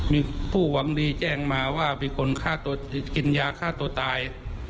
มีผู้หวังดีแจ้งมาว่ามีคนกินยาฆ่าตัวตาย